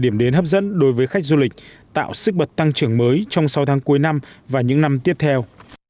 điểm đến hấp dẫn đối với khách du lịch tạo sức bật tăng trưởng mới trong sáu tháng cuối năm và những năm tiếp theo